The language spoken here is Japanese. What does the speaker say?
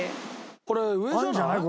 これ上じゃない？